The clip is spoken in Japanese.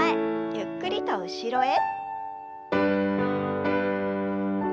ゆっくりと後ろへ。